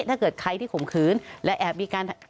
ถ้าเกิดใครที่ข่มขืนและแอบมีการ